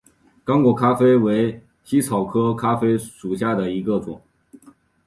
刚果咖啡为茜草科咖啡属下的一个种。